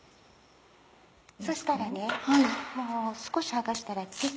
そしたら少し剥がしたらピッ。